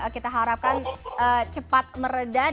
kita harapkan cepat meredah